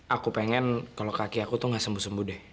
aku pengen kalau kaki aku tuh gak sembuh sembuh deh